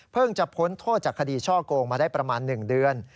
จะพ้นโทษจากคดีช่อโกงมาได้ประมาณ๑เดือน